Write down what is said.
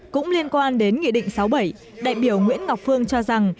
cũng liên quan đến nghị định sáu bảy đại biểu nguyễn ngọc phương cho rằng